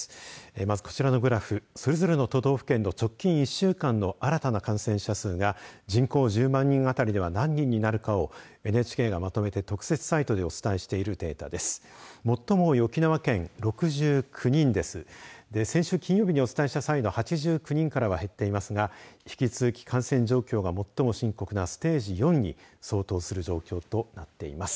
まずこちらのグラフそれぞれの都道府県の直近１週間の新たな感染者数が人口１０万人あたりでは何人になるかをＮＨＫが求めて特設サイトでお伝えしているデータです。